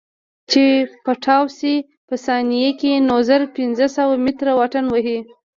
چې پټاو سي په ثانيه کښې نو زره پنځه سوه مټره واټن وهي.